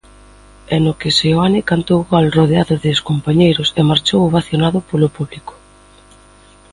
E no que Seoane cantou gol rodeado dos compañeiros e marchou ovacionado polo público.